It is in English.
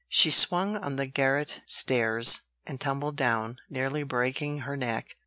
She swung on the garret stairs, and tumbled down, nearly breaking her neck.